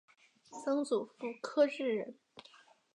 曾祖父柯志仁。